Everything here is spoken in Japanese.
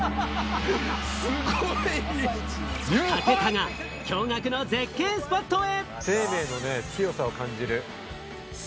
武田が驚がくの絶景スポットへ。